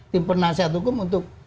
di penasihat hukum untuk